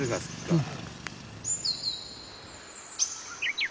うん。